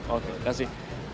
oke terima kasih